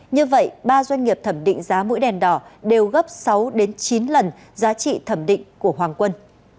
như vậy ba doanh nghiệp thẩm định giá mũi đèn đỏ đều gấp sáu chín lần giá trị thẩm định của hoàng quân